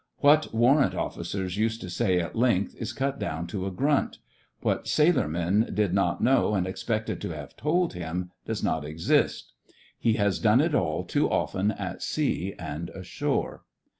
What Warrant Officers used to say at length is cut down to a grunt. What the sailor man did not know and expected to have told him, does not exist. He has done it all too often at sea and ashore.